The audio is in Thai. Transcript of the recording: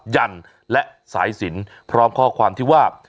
ยันและสายสินพร้อมข้อความที่ว่า